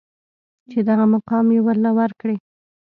چې دغه مقام يې ورله ورکړې.